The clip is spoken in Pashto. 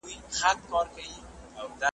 ژمی د خوار او غریب زیان دئ ,